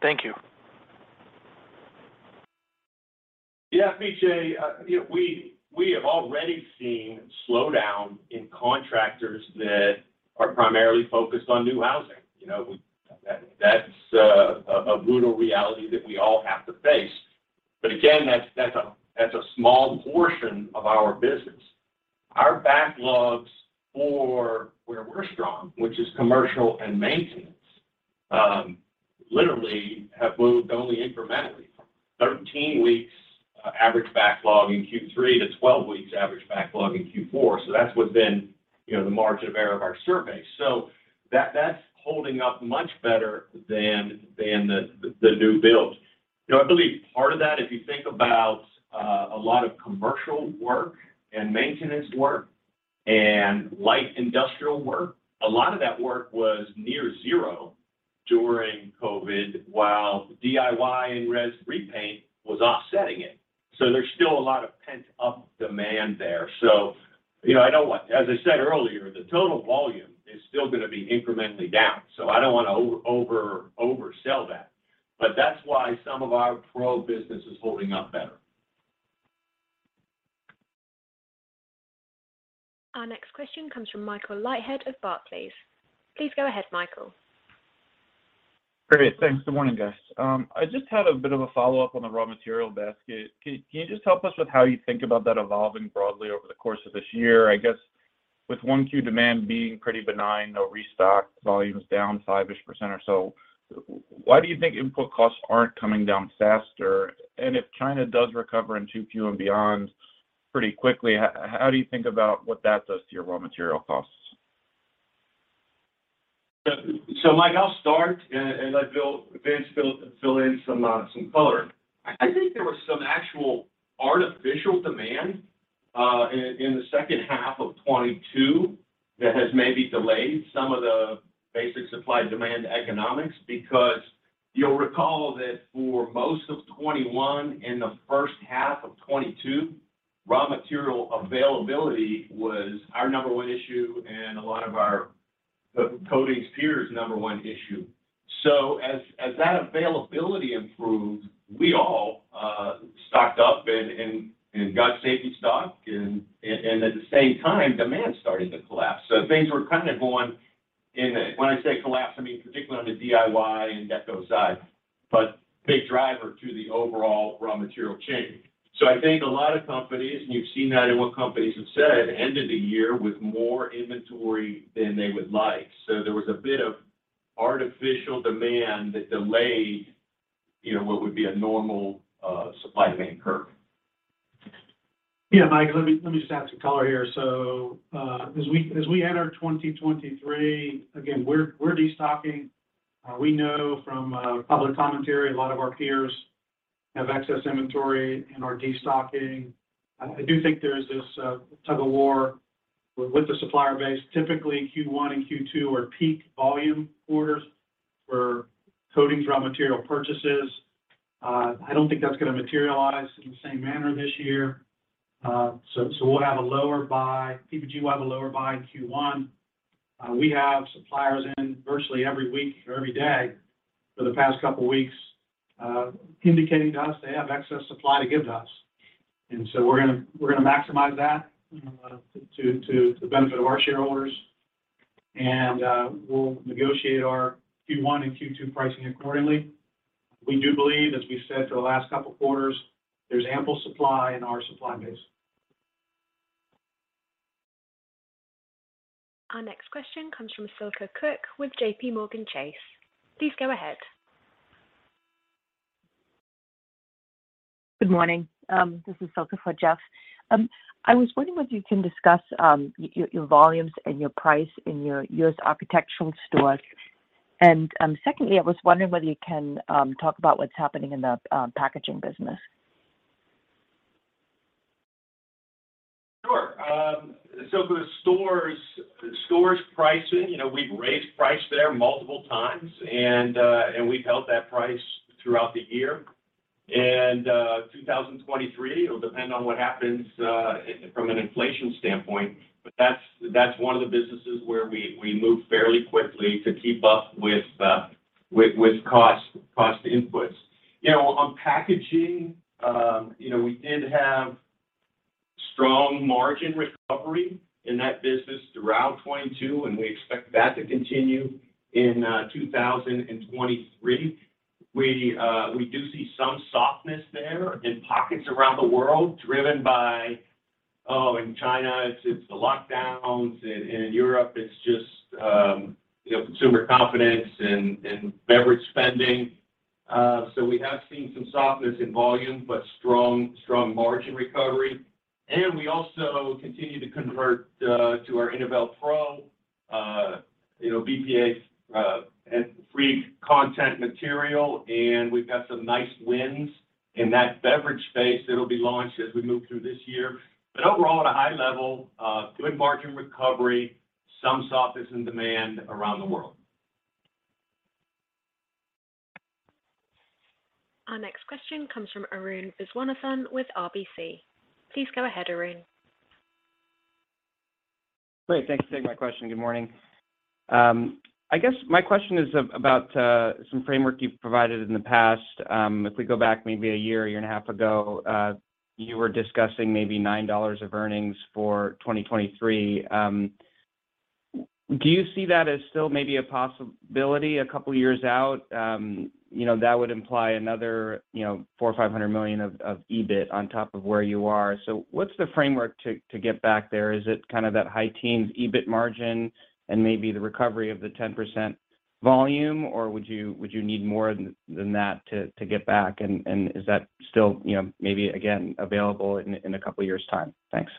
Thank you. Yeah, PJ, you know, we have already seen slowdown in contractors that are primarily focused on new housing. You know, that's a brutal reality that we all have to face. Again, that's a small portion of our business. Our backlogs for where we're strong, which is commercial and maintenance, literally have moved only incrementally. 13 weeks average backlog in Q3 to 12 weeks average backlog in Q4. That's within, you know, the margin of error of our survey. That's holding up much better than the new builds. You know, I believe part of that, if you think about a lot of commercial work and maintenance work and light industrial work, a lot of that work was near 0 during COVID, while DIY and res repaint was offsetting it. There's still a lot of pent-up demand there. You know, as I said earlier, the total volume is still gonna be incrementally down, so I don't wanna oversell that. That's why some of our pro business is holding up better. Our next question comes from Michael Leithead of Barclays. Please go ahead, Michael. Great. Thanks. Good morning, guys. I just had a bit of a follow-up on the raw material basket. Can you just help us with how you think about that evolving broadly over the course of this year? I guess with 1Q demand being pretty benign, no restock, volumes down 5-ish% or so, why do you think input costs aren't coming down faster? If China does recover in 2Q and beyond pretty quickly, how do you think about what that does to your raw material costs? Mike, I'll start and let Vince fill in some color. I think there was some actual artificial demand in the second half of 2022 that has maybe delayed some of the basic supply-demand economics, because you'll recall that for most of 2021 and the first half of 2022, raw material availability was our number one issue and a lot of our coatings peers' number one issue. As that availability improved, we all stocked up and got safety stock and at the same time, demand started to collapse. Things were kind of going. When I say collapse, I mean particularly on the DIY and deco side, but big driver to the overall raw material chain. I think a lot of companies, and you've seen that in what companies have said, ended the year with more inventory than they would like. There was a bit of artificial demand that delayed, you know, what would be a normal supply and demand curve. Mike, let me just add some color here. As we enter 2023, again, we're destocking. We know from public commentary, a lot of our peers have excess inventory and are destocking. I do think there is this tug of war with the supplier base. Typically, Q1 and Q2 are peak volume quarters for coatings, raw material purchases. I don't think that's gonna materialize in the same manner this year. We'll have a lower buy. PPG will have a lower buy in Q1. We have suppliers in virtually every week or every day for the past couple weeks, indicating to us they have excess supply to give to us. We're gonna maximize that to the benefit of our shareholders. We'll negotiate our Q1 and Q2 pricing accordingly. We do believe, as we said for the last couple of quarters, there's ample supply in our supply base. Our next question comes from Silke Zekauskas with JPMorgan Chase. Please go ahead. Good morning. This is Silke for Jeff. I was wondering whether you can discuss, your volumes and your price in your U.S. architectural stores. Secondly, I was wondering whether you can talk about what's happening in the packaging business. Sure. So the stores pricing, you know, we've raised price there multiple times and we've held that price throughout the year. 2023, it'll depend on what happens from an inflation standpoint, but that's one of the businesses where we move fairly quickly to keep up with cost inputs. You know, on packaging, you know, we did have strong margin recovery in that business throughout 2022, and we expect that to continue in 2023. We do see some softness there in pockets around the world driven by in China it's the lockdowns. In Europe it's just, you know, consumer confidence and beverage spending. So we have seen some softness in volume, but strong margin recovery. We also continue to convert to our PPG INNOVEL PRO, you know, BPA free content material, and we've got some nice wins in that beverage space that'll be launched as we move through this year. Overall, at a high level, good margin recovery, some softness in demand around the world. Our next question comes from Arun Viswanathan with RBC. Please go ahead, Arun. Great. Thanks for taking my question. Good morning. I guess my question is about some framework you've provided in the past. If we go back maybe a year, a year and a half ago, you were discussing maybe $9 of earnings for 2023. Do you see that as still maybe a possibility a couple years out? You know, that would imply another, you know, $400 million or $500 million of EBIT on top of where you are. What's the framework to get back there? Is it kind of that high teens EBIT margin and maybe the recovery of the 10% volume, or would you need more than that to get back? Is that still, you know, maybe again, available in a couple years' time? Thanks.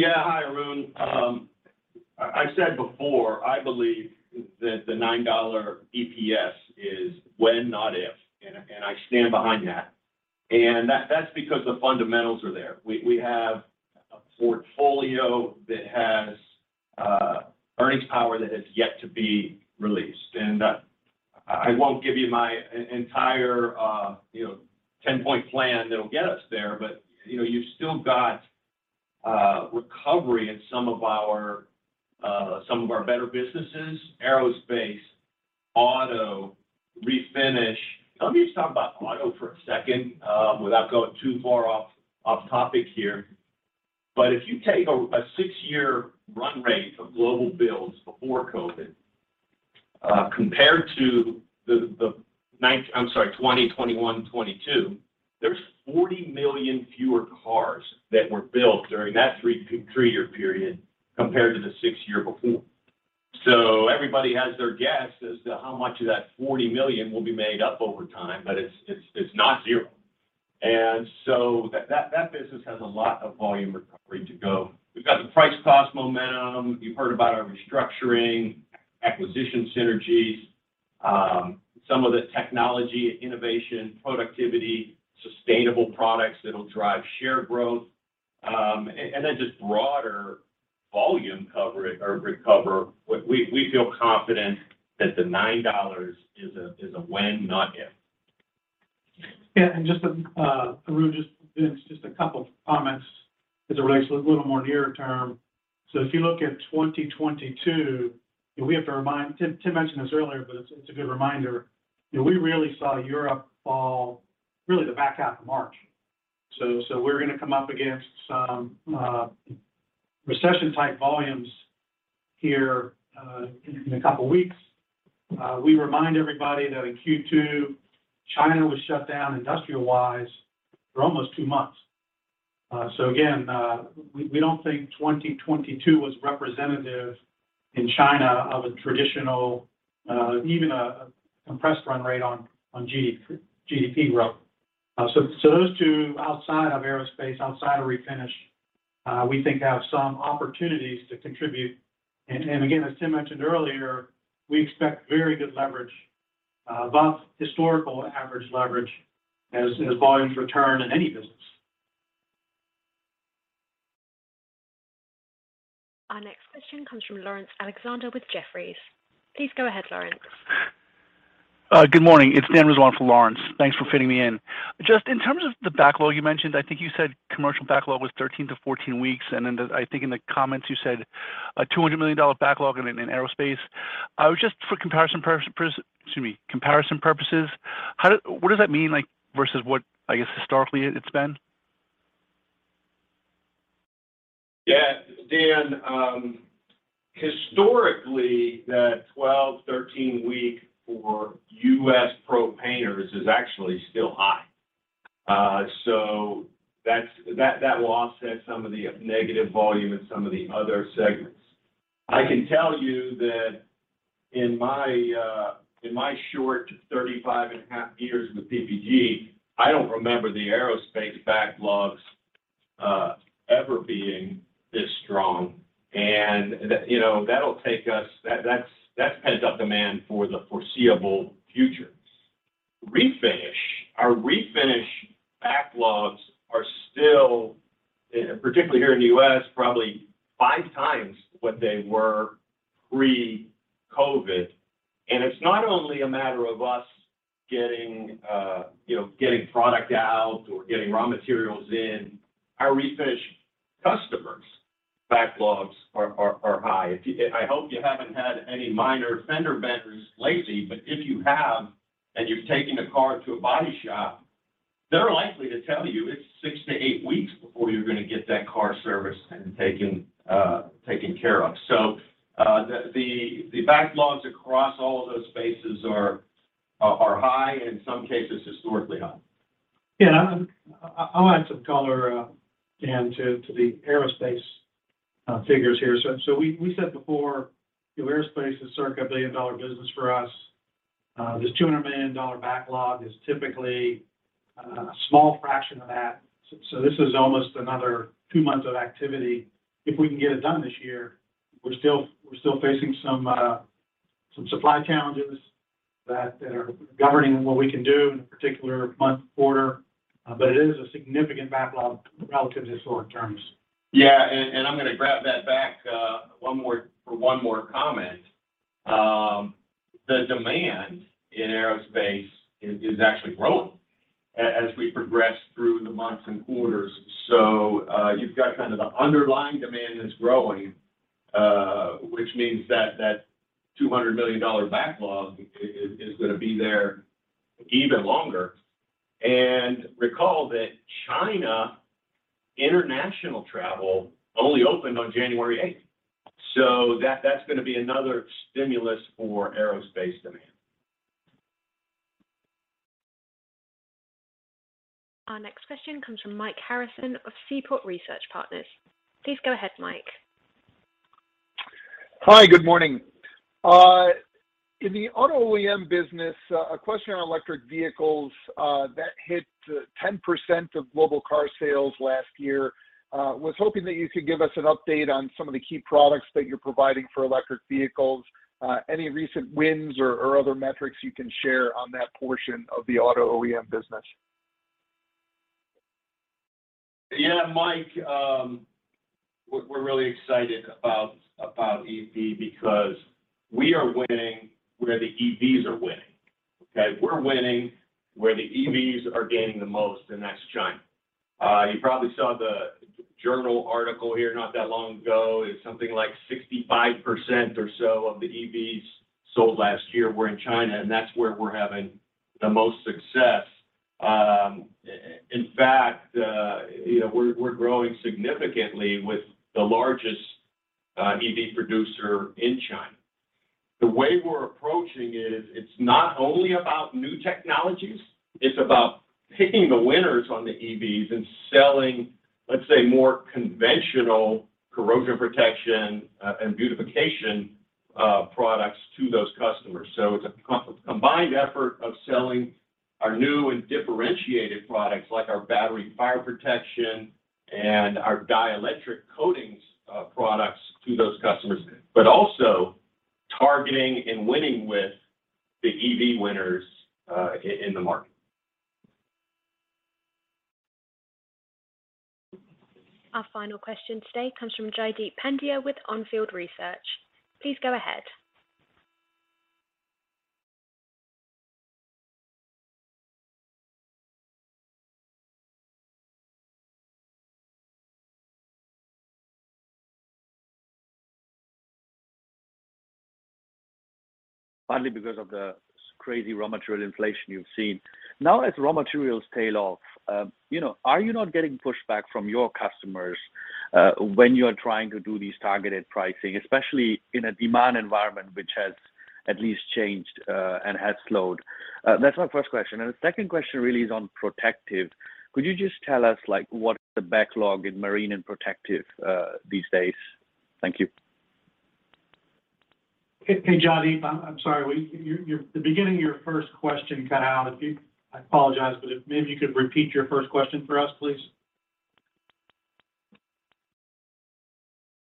Hi, Arun. I've said before, I believe that the $9 EPS is when, not if, and I stand behind that. That's because the fundamentals are there. We have a portfolio that has earnings power that has yet to be released. I won't give you my entire, you know, 10-point plan that'll get us there, but, you know, you still got recovery in some of our better businesses: aerospace, auto, refinish. Let me just talk about auto for a second, without going too far off topic here. If you take a 6-year run rate of global builds before COVID-19, compared to the I'm sorry, 2020, 2021, 2022, there's 40 million fewer cars that were built during that 3-year period compared to the 6 year before. Everybody has their guess as to how much of that $40 million will be made up over time, but it's not zero. That business has a lot of volume recovery to go. We've got the price cost momentum. You've heard about our restructuring, acquisition synergies, some of the technology, innovation, productivity, sustainable products that'll drive share growth. And then just broader volume recover. We feel confident that the $9 is a when, not if. Yeah, just Arun, you know, just a couple comments as it relates to a little more near term. If you look at 2022, and we have to remind. Tim mentioned this earlier, but it's a good reminder. You know, we really saw Europe fall really the back half of March. We're gonna come up against some recession type volumes here in a couple weeks. We remind everybody that in Q2, China was shut down industrial-wise for almost 2 months. Again, we don't think 2022 was representative in China of a traditional, even a compressed run rate on GDP growth. Those two outside of aerospace, outside of refinish, we think have some opportunities to contribute. Again, as Tim mentioned earlier, we expect very good leverage, above historical average leverage as volumes return in any business. Our next question comes from Laurent Alexander with Jefferies. Please go ahead, Laurent. Good morning. It's Dan Razon for Laurent. Thanks for fitting me in. Just in terms of the backlog you mentioned, I think you said commercial backlog was 13-14 weeks, and I think in the comments you said a $200 million backlog in aerospace. Just for comparison purposes, what does that mean, like, versus what, I guess, historically it's been? Dan, historically that 12, 13 week for U.S. pro painters is actually still high. That's, that will offset some of the negative volume in some of the other segments. I can tell you that in my short 35 and a half years with PPG, I don't remember the aerospace backlogs ever being this strong. That, you know, that'll take us. That's pent-up demand for the foreseeable future. Refinish. Our refinish backlogs are still particularly here in the U.S., probably 5 times what they were pre-COVID. It's not only a matter of us getting, you know, getting product out or getting raw materials in. Our refinish customers' backlogs are high. I hope you haven't had any minor fender benders lately, but if you have, and you've taken a car to a body shop, they're likely to tell you it's 6 to 8 weeks before you're gonna get that car serviced and taken care of. The backlogs across all of those spaces are high, in some cases historically high. Yeah. I'll add some color, Dan, to the aerospace figures here. We said before aerospace is circa a $1 billion business for us. This $200 million backlog is typically a small fraction of that. This is almost another two months of activity if we can get it done this year. We're still facing some supply challenges that are governing what we can do in a particular month, quarter, but it is a significant backlog relative to historic terms. Yeah. I'm gonna grab that back for one more comment. The demand in aerospace is actually growing as we progress through the months and quarters. You've got kind of the underlying demand is growing, which means that that $200 million backlog is gonna be there even longer. Recall that China international travel only opened on January 8th, so that's gonna be another stimulus for aerospace demand. Our next question comes from Michael Harrison of Seaport Research Partners. Please go ahead, Mike. Hi, good morning. In the auto OEM business, a question on electric vehicles that hit 10% of global car sales last year. Was hoping that you could give us an update on some of the key products that you're providing for electric vehicles, any recent wins or other metrics you can share on that portion of the auto OEM business. Yeah, Mike, we're really excited about EV because we are winning where the EVs are winning. Okay? We're winning where the EVs are gaining the most, and that's China. You probably saw the journal article here not that long ago. It's something like 65% or so of the EVs sold last year were in China, and that's where we're having the most success. In fact, you know, we're growing significantly with the largest EV producer in China. The way we're approaching it is it's not only about new technologies, it's about picking the winners on the EVs and selling, let's say, more conventional corrosion protection and beautification products to those customers. It's a combined effort of selling our new and differentiated products like our battery fire protection and our dielectric coatings, products to those customers, but also targeting and winning with the EV winners in the market. Our final question today comes from Jaideep Pandya with ON Field Investment Research. Please go ahead. Partly because of the crazy raw material inflation you've seen. As raw materials tail off, you know, are you not getting pushback from your customers? When you're trying to do these targeted pricing, especially in a demand environment which has at least changed, and has slowed. That's my first question. The second question really is on protective. Could you just tell us, like, what the backlog in marine and protective, these days? Thank you. Hey, Jaideep, I'm sorry. When your, the beginning of your first question cut out. I apologize, but if maybe you could repeat your first question for us, please.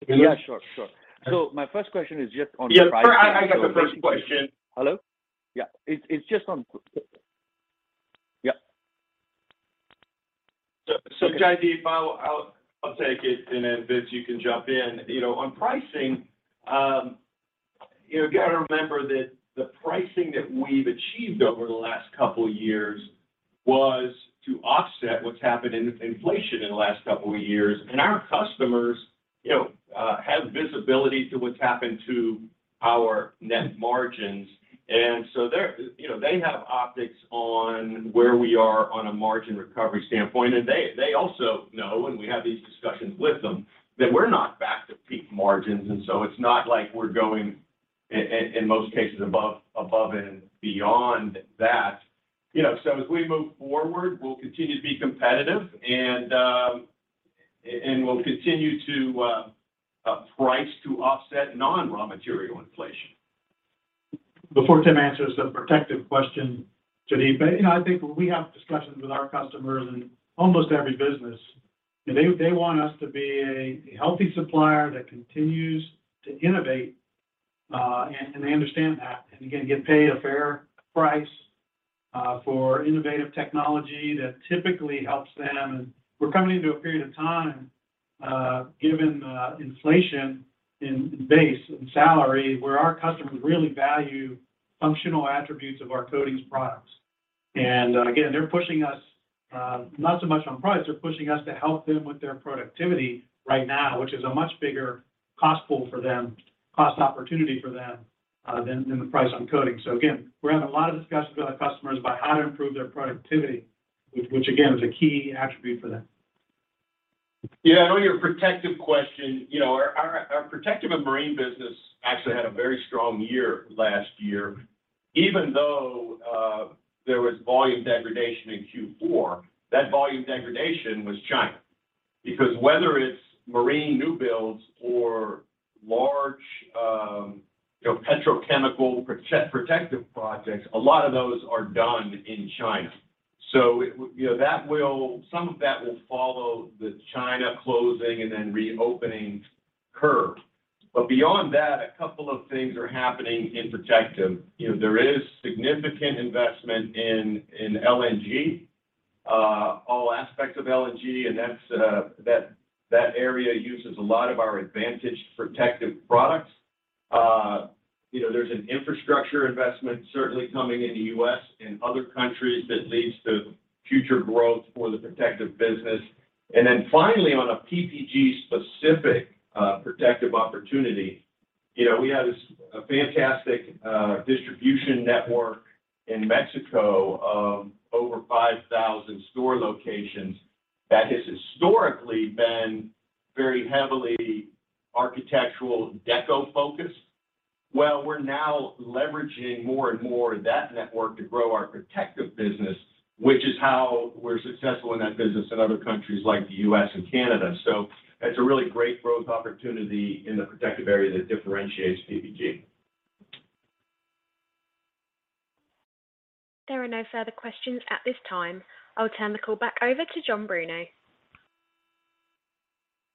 Yeah, sure. My first question is just on pricing. Yeah. I got the first question. Hello? Yeah. It's just on. Yeah. Jaideep, I'll take it, Vince, you can jump in. You know, on pricing, you know, you gotta remember that the pricing that we've achieved over the last 2 years was to offset what's happened in inflation in the last 2 years. Our customers, you know, have visibility to what's happened to our net margins. They're, you know, they have optics on where we are on a margin recovery standpoint. They also know, and we have these discussions with them, that we're not back to peak margins, it's not like we're going in most cases above and beyond that. You know, as we move forward, we'll continue to be competitive and we'll continue to price to offset non-raw material inflation. Before Tim Knavish answers the protective question, Jaideep Pandya, you know, I think we have discussions with our customers in almost every business, and they want us to be a healthy supplier that continues to innovate, and they understand that. Again, get paid a fair price for innovative technology that typically helps them. We're coming into a period of time, given inflation in base and salary, where our customers really value functional attributes of our coatings products. Again, they're pushing us, not so much on price. They're pushing us to help them with their productivity right now, which is a much bigger cost pool for them, cost opportunity for them, than the price on coating. Again, we're having a lot of discussions with our customers about how to improve their productivity, which again, is a key attribute for them. Yeah. On your protective question, you know, our protective and marine business actually had a very strong year last year. Even though there was volume degradation in Q4, that volume degradation was China. Whether it's marine new builds or large, you know, petrochemical protective projects, a lot of those are done in China. You know, some of that will follow the China closing and then reopening curve. Beyond that, a couple of things are happening in protective. You know, there is significant investment in LNG, all aspects of LNG, and that's that area uses a lot of our advantage protective products. You know, there's an infrastructure investment certainly coming in the US and other countries that leads to future growth for the protective business. Finally, on a PPG-specific, protective opportunity, you know, we have this, a fantastic, distribution network in Mexico of over 5,000 store locations that has historically been very heavily architectural deco-focused. We're now leveraging more and more of that network to grow our protective business, which is how we're successful in that business in other countries like the U.S. and Canada. That's a really great growth opportunity in the protective area that differentiates PPG. There are no further questions at this time. I'll turn the call back over to John Bruno.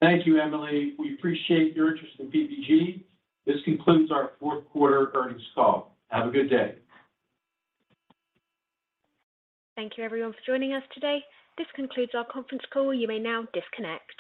Thank you, Emily. We appreciate your interest in PPG. This concludes our fourth quarter earnings call. Have a good day. Thank you everyone for joining us today. This concludes our conference call. You may now disconnect.